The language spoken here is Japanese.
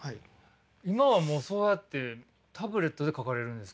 今はもうそうやってタブレットで描かれるんですか？